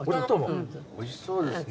おいしそうですね。